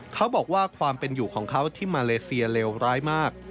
เขาบอกว่าความเป็นอยู่ของเขาที่มาเลเซียเลวร้ายมาก